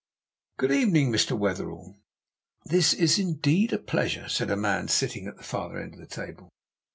"'Good evening, Mr. Wetherell. This is indeed a pleasure,' said a man sitting at the farther end of the table.